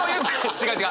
違う違う！